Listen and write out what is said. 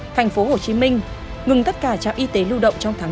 thành phố hồ chí minh ngừng tất cả trạm y tế lưu động trong tháng bốn